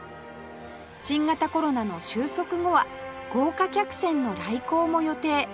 新型コロナの収束後は豪華客船の来港も予定